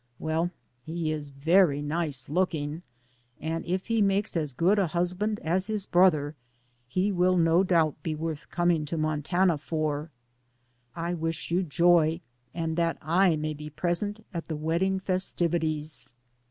Well, he is very nice looking, and if he makes as good a husband as his brother, he will no doubt be worth coming to Montana for. I wish you joy, and that I may be pres ent at the wedding festivities.